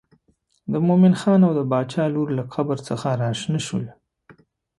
د مومن خان او د باچا لور له قبر څخه راشنه شول.